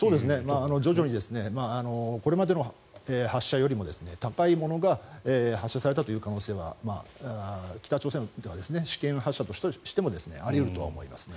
徐々にこれまでの発射よりも高いものが発射されたという可能性は北朝鮮にとっては試験発射としてもあり得るとは思いますね。